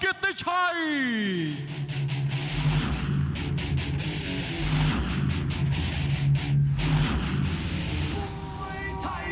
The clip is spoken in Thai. กิตติชาย